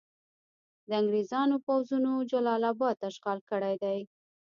د انګریزانو پوځونو جلال اباد اشغال کړی دی.